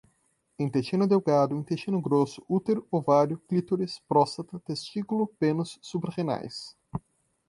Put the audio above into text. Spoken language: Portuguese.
intestino delgado, intestino grosso, útero, ovário, clítoris, próstata, testículo, pênis, suprarrenais